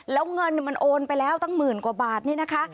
แล้วเงินมันโอนไปแล้วตั้งหมื่นกว่าบาทนี่นะคะ